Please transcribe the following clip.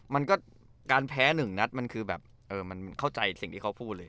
มันก็การแพ้หนึ่งนัดมันคือแบบเออมันเข้าใจสิ่งที่เขาพูดเลย